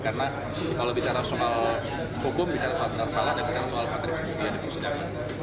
karena kalau bicara soal hukum bicara soal benar benar salah dan bicara soal katerimunian di persidangan